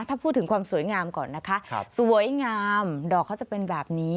ถ้าพูดถึงความสวยงามก่อนนะคะสวยงามดอกเขาจะเป็นแบบนี้